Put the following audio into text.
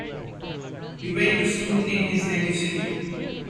He went to school in his native city.